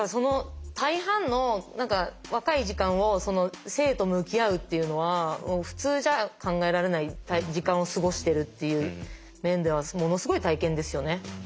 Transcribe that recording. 大半の若い時間を生と向き合うっていうのは普通じゃ考えられない時間を過ごしてるっていう面ではものすごい体験ですよね。